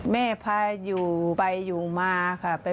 แม่พาอยู่ไปอยู่มาค่ะ